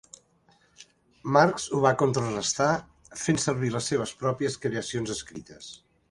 Marks ho va contrarestar fent servir les seves pròpies creacions escrites.